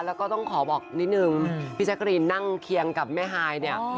แล้วก็ต้องขอบอกนิดนึงพี่แจ๊กรีนนั่งเคียงกับแม่ฮายเนี่ย